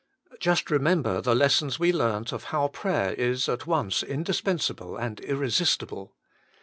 Just remember the lessons we learnt of how prayer is at once indispensable and irresistible.